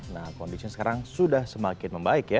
nah kondisinya sekarang sudah semakin membaik ya